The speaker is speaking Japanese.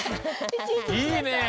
いいね。